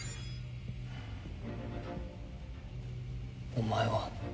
お前は。